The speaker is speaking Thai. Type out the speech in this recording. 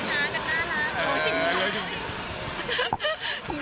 โล่ชิงชากัน